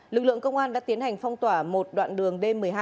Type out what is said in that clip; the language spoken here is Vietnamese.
lực lượng công an đã tiến hành phong tỏa một đoạn đường d một mươi hai